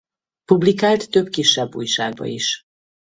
Publikált több kisebb újságba is.